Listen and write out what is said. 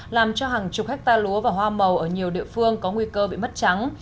làm cho hàng chục hectare lúa và hoa màu ở nhiều địa phương có nguy cơ bị mất trắng